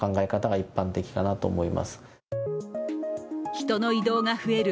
人の移動が増える